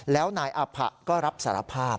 แล้วนายอาผะก็รับสารภาพ